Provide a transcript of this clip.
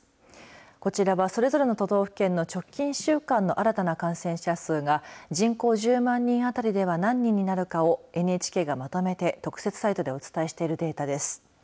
こちらは、それぞれの都道府県の直近１週間の新たな感染者数が人口１０万人あたりでは何人になるかをＮＨＫがまとめて特設サイトでお伝えしているデータです。